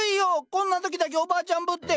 こんな時だけおばあちゃんぶって。